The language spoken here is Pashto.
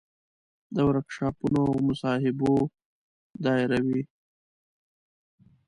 د ورکشاپونو او مصاحبو دایروي.